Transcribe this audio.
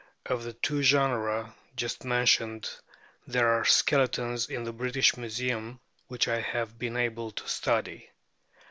Of the two genera just mentioned there are skeletons in the British Museum, which I have been able to study.